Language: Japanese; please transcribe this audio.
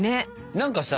何かさ